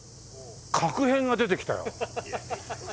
確変が出てきたよ。